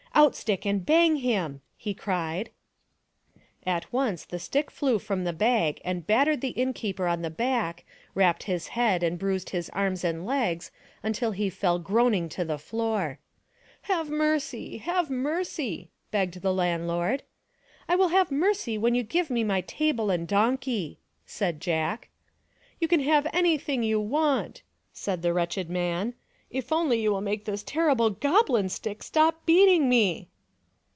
" Out stick, and bang him !" he cried. 298 THE DONKEY, THE TABLE, AND THE STICK At once the stick flew from the bag and battered the innkeeper on the back, rapped his head and bruised his arms and legs until he fell groaning to the floor. " Have mercy ! have mercy!." begged the landlord. " I will have mercy when you give me my table and donkey," said Jack. "You can have anything you want," said the wretched man, " if only you will make this terrible goblin stick stop beating me."